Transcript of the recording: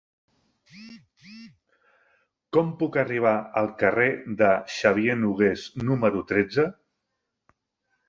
Com puc arribar al carrer de Xavier Nogués número tretze?